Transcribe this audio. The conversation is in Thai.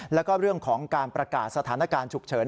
แล้วก็เรื่องของการประกาศสถานการณ์ฉุกเฉิน